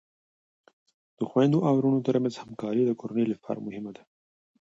د خویندو او ورونو ترمنځ همکاری د کورنۍ لپاره مهمه ده.